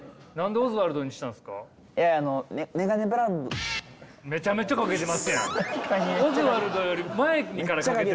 オズワルドより前からかけてますよ。